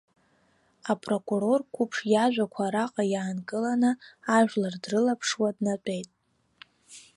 Апрокурор қәыԥш иажәақәа араҟа иаанкыланы ажәлар дрылаԥшуа днатәеит.